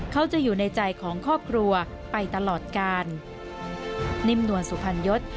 เขาจะอยู่ในใจของครอบครัวไปตลอดกาลนิ่มนวลสุพรรณยศ